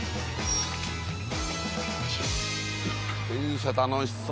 電車楽しそう。